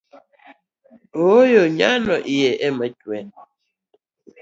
Ooyo nyano iye ema chue